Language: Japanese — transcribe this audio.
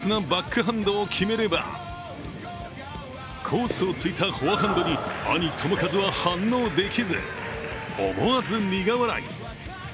ラケットに触れることができない強烈なバックハンドを決めれば、コースを突いたフォアハンドに兄・智和は反応できず、思わず苦笑い。